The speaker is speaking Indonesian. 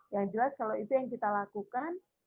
yang jelas kalau itu yang kita lakukan